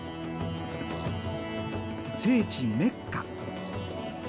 聖地メッカ。